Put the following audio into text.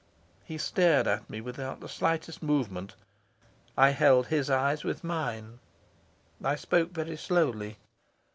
He stared at me without the slightest movement. I held his eyes with mine. I spoke very slowly.